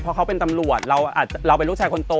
เพราะเขาเป็นตำรวจเราเป็นลูกชายคนโต